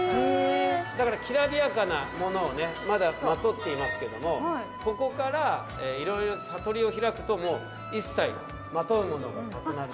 だからきらびやかなものをまだまとっていますけどもここから色々悟りを開くと一切まとうものがなくなる。